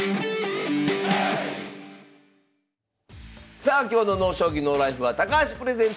さあ今日の「ＮＯ将棋ＮＯＬＩＦＥ」は「高橋プレゼンツ！